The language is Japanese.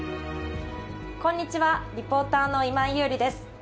こんにちはリポーターの今井優里です。